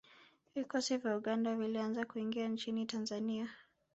Vikosi vya Uganda vilianza kuingia nchini Tanzania